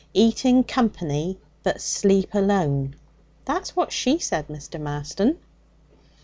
Eat in company, but sleep alone" that's what she said, Mr. Marston.'